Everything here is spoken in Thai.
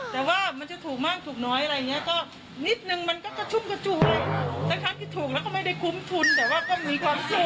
แต่ว่ามันจะถูกมากถูกน้อยอะไรอย่างนี้